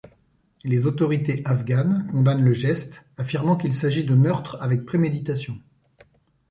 Les autorités afghanes condamnent le geste, affirmant qu'il s'agit de meurtres avec préméditation.